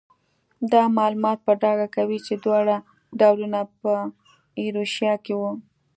دا معلومات په ډاګه کوي چې دواړه ډولونه په ایروشیا کې وو.